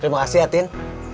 terima kasih ya tin